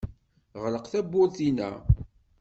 Ɣleq tawwurt-inna.